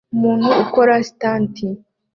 Umuntu ukora stunt